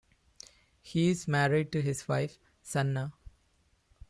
He is married to his wife, Sanna.